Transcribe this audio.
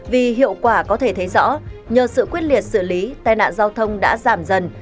vì hiệu quả có thể thấy rõ nhờ sự quyết liệt xử lý tai nạn giao thông đã giảm dần